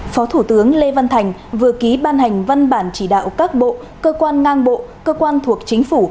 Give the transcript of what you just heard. phó thủ tướng lê văn thành vừa ký ban hành văn bản chỉ đạo các bộ cơ quan ngang bộ cơ quan thuộc chính phủ